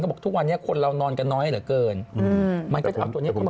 ก็บอกทุกวันนี้คนเรานอนกันน้อยเหลือเกินมันก็จะเอาตัวนี้มาเปลี่ยน